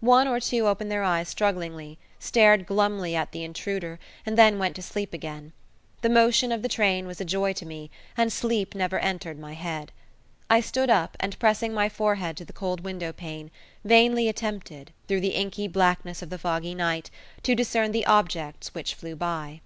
One or two opened their eyes strugglingly, stared glumly at the intruder, and then went to sleep again. The motion of the train was a joy to me, and sleep never entered my head. I stood up, and pressing my forehead to the cold window pane, vainly attempted, through the inky blackness of the foggy night, to discern the objects which flew by.